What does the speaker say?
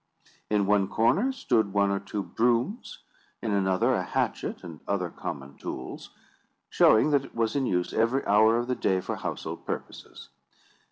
In one corner stood one or two brooms, in another a hatchet and other common tools; showing that it was in use every hour of the day for household purposes.